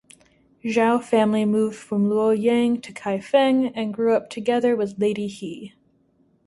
Zhao family moved from Luoyang to Kaifeng and grew up together with Lady He.